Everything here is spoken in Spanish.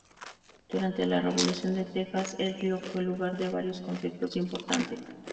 Durante la Revolución de Texas, el río fue lugar de varios conflictos importantes.